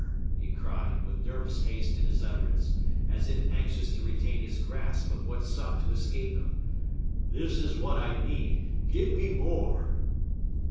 he cried, with nervous haste in his utterance, as if anxious to retain his grasp of what sought to escape him. "This is what I need! Give me more!"